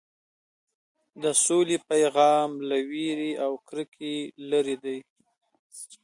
د سولې پیغام له وېرې او کرکې لرې دی.